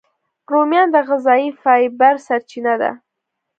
رومیان د غذایي فایبر سرچینه ده